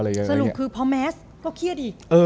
สรุปคือพอแมสก็เครียดอีก